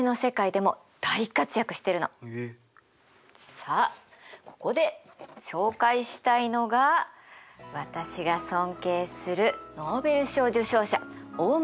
さあここで紹介したいのが私が尊敬するノーベル賞受賞者大村智さん。